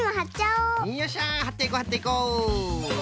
よっしゃはっていこうはっていこう。